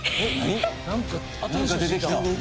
何か出てきた！